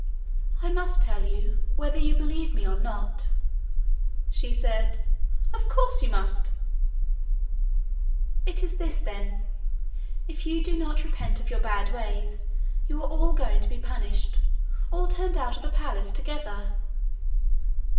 'I must tell you, whether you believe me or not,' she said. 'Of course you must.' 'It is this, then: if you do not repent of your bad ways, you are all going to be punished all turned out of the palace together.'